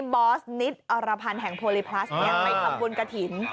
บอสนิทอรพันธ์แห่งโพลิพลัสยังไหมครับบุญกะถิน